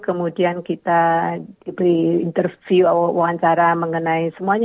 kemudian kita diberi interview wawancara mengenai semuanya